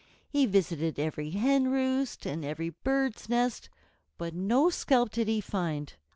He visited every hen roost and every bird's nest, but no scalp did he find.